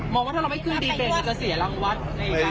มองว่าถ้าเราไม่ขึ้นดีเบจจะเสียรางวัฒน์